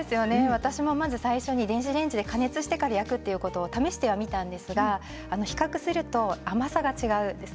私も、まず最初に電子レンジで加熱してから焼くということを試したんですが比較すると甘さが違うんです。